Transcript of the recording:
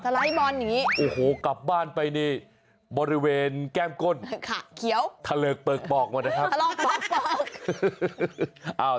สไลด์บอลอย่างนี้โอ้โหกลับบ้านไปนี่บริเวณแก้มก้นขักเขียวทะเลิกเปลือกบอกมานะครับทะเลิกเปลือกบอก